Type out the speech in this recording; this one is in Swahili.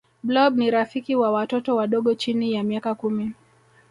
blob ni rafiki wa watoto wadogo chini ya miaka kumi